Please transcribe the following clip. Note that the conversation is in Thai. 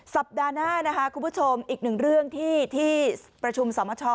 สัปดาห์หน้าก็ชมอีก๑เรื่องที่ประชุมสมช